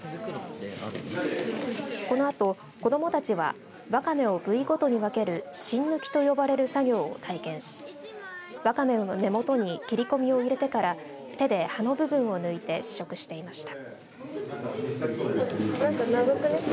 このあと子どもたちはワカメを部位ごとに分ける芯抜きと呼ばれる作業を体験しワカメの根元に切り込みを入れてから手で葉の部分を抜いて試食していました。